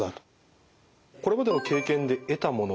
これまでの経験で得たもの